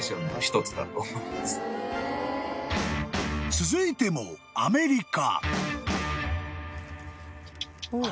［続いてもアメリカ］